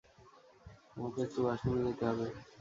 আমাকে একটু ওয়াশরুমে যেতে হবে।